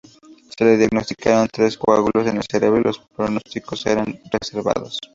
Se le diagnosticaron tres coágulos en el cerebro y los pronósticos eran reservados.